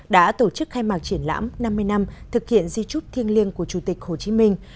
đã tổ chức khai mạc triển lãm năm mươi năm thực hiện di trúc thiêng liêng của chủ tịch hồ chí minh